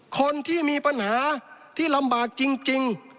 คนที่มีปัญหาที่ลำบากจริง